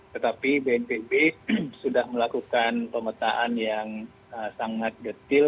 tetapi bnpb sudah melakukan pemetaan yang sangat detil